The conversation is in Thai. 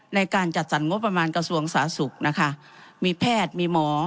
ในการจัดสรรงบประมาณกระทรวงสาธารณสุขนะคะมีแพทย์มีหมอ